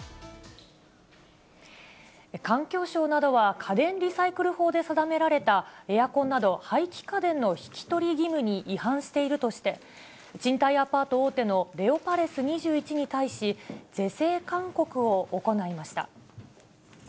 環境省などは、家電リサイクル法で定められた、エアコンなど廃棄家電の引き取り義務に違反しているとして、賃貸アパート大手のレオパレス２１に対し、是正勧告を行いました。